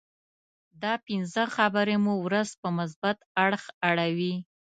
دا پنځه خبرې مو ورځ په مثبت اړخ اړوي.